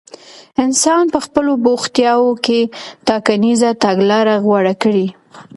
انسان په خپلو بوختياوو کې ټاکنيزه تګلاره غوره کړي.